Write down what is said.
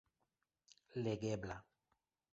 legebla